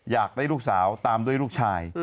อยากได้ลูกสาวตามด้วยลูกชาย